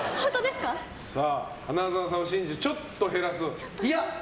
花澤さんを信じてちょっと減らす？